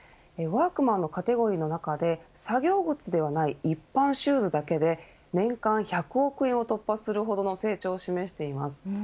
ワークマンのカテゴリーの中で作業靴ではない一般シューズだけで年間１００億円を突破するほどの成長を示しています。